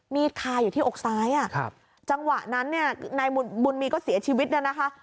คาอยู่ที่อกซ้ายจังหวะนั้นเนี่ยนายบุญมีก็เสียชีวิตเนี่ยนะคะ